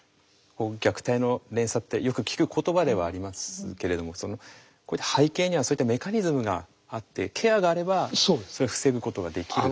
「虐待の連鎖」ってよく聞く言葉ではありますけれども背景にはそういったメカニズムがあってケアがあればそれを防ぐことができる。